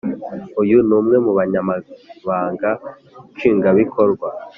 Uyu numwe mubanyamabanga nshingabikorwa